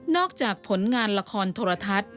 อกจากผลงานละครโทรทัศน์